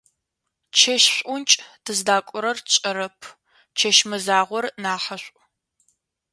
Чэщ шӀункӀ, тыздакӀорэр тшӀэрэп, чэщ мэзагъор нахьышӀу.